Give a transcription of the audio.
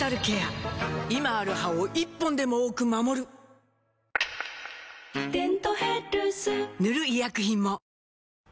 今ある歯を１本でも多く守る「デントヘルス」塗る医薬品も